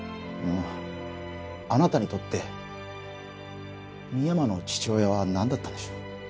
あなたにとって深山の父親は何だったんでしょう？